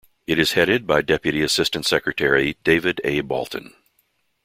It is headed by Deputy Assistant Secretary David A. Balton.